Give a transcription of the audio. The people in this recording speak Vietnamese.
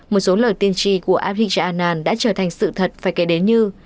một số lời tiên tri của abhijit anand đã trở thành sự thật phải kể đến như